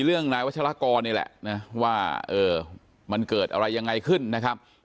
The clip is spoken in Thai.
เรื่องนายวัชรากรนี่แหละนะว่ามันเกิดอะไรยังไงขึ้นนะครับ